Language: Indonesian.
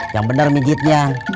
yang bener mijitnya